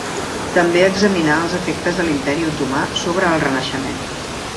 També examinà els efectes de l'Imperi otomà sobre el Renaixement.